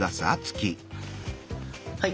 はい！